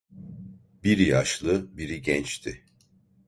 Biri yaşlı, biri gençti.